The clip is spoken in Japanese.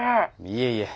いえいえ。